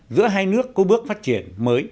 giữa hai nước có bước phát triển